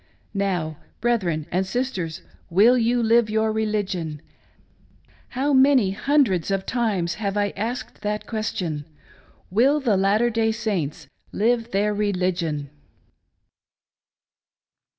" Now, brethren and sisters, will you live your religion ? How many hundreds of times have I asked that question ? Will the Latter Day Saints live their religion